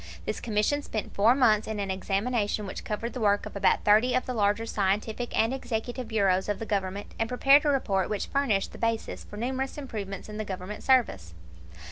This Commission spent four months in an examination which covered the work of about thirty of the larger scientific and executive bureaus of the Government, and prepared a report which furnished the basis for numerous improvements in the Government service.